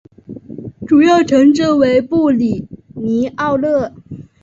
主要城镇为布里尼奥勒。